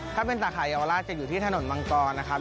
ถ้าเป็นสาขาเยาวราชจะอยู่ที่ถนนมังกรนะครับ